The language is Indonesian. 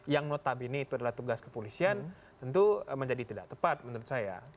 yang notabene itu adalah tugas kepolisian tentu menjadi tidak tepat menurut saya